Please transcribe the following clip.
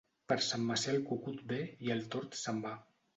Per Sant Macià el cucut ve i el tord se'n va.